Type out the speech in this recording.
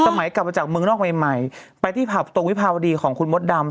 สมัยกลับมาจากเมืองนอกใหม่ไปที่ตรงวิภาวดีของคุณมดดำ